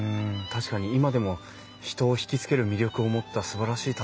確かに今でも人を引き付ける魅力を持ったすばらしい建物ですもんね。